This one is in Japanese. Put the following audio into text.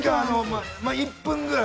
１分くらい。